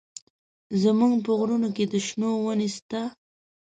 زموږ په غرونو کښې د شنو ونې سته.